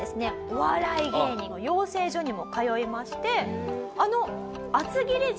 お笑い芸人の養成所にも通いまして。